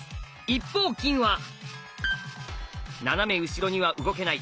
一方金は斜め後ろには動けない。